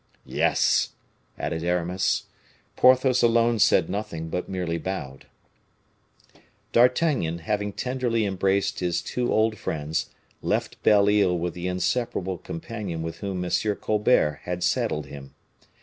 "Yes," added Aramis. Porthos alone said nothing, but merely bowed. D'Artagnan, having tenderly embraced his two old friends, left Belle Isle with the inseparable companion with whom M. Colbert had saddled him.